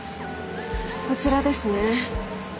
こちらですね？